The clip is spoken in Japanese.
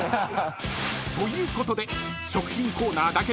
［ということで］